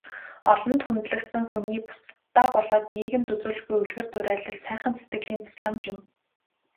Олонд хүндлэгдсэн хүний бусдадаа болоод нийгэмд үзүүлж буй үлгэр дуурайл, сайхан сэтгэлийн тусламж юм.